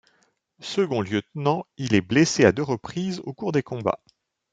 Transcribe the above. Second lieutenant, il est blessé à deux reprises au cours des combats.